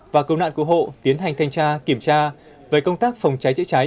và cầu nạn của hộ tiến hành thanh tra kiểm tra về công tác phòng cháy chữa cháy